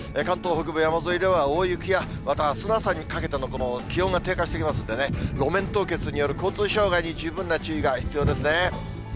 関東北部山沿いでは大雪や、またあすの朝にかけての、この気温が低下してきますんでね、路面凍結による交通障害に十分な注意が必要ですね。